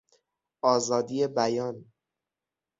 آزادی بیان